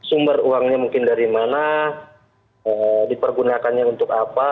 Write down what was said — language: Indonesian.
sumber uangnya mungkin dari mana dipergunakannya untuk apa